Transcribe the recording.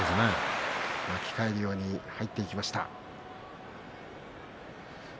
巻き替えるように入っていきました、阿武咲。